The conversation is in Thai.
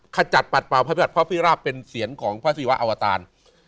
ขจัดปัดเป่าพระบัติพระพิราบเป็นเสียงของพระศิวะอวตาร